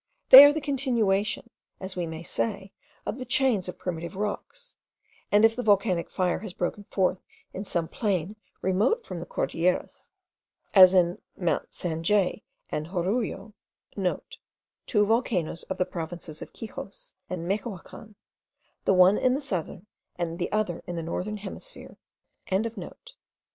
They are the continuation, as we may say, of the chains of primitive rocks, and if the volcanic fire has broken forth in some plain remote from the Cordilleras, as in mount Sangay and Jorullo,* (* Two volcanoes of the Provinces of Quixos and Mechoacan, the one in the southern, and the other in the northern hemisphere.)